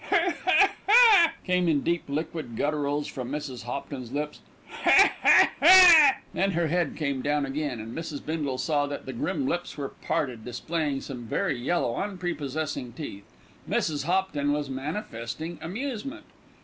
"Her her her!" came in deep, liquid gutturals from Mrs. Hopton's lips. "Her her her!" Then her head came down again, and Mrs. Bindle saw that the grim lips were parted, displaying some very yellow, unprepossessing teeth. Mrs. Hopton was manifesting amusement.